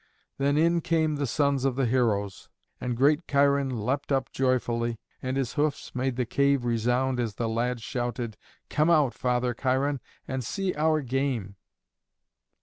And then in came the sons of the heroes, and great Cheiron leapt up joyfully, and his hoofs made the cave resound as the lads shouted, "Come out, Father Cheiron, and see our game!"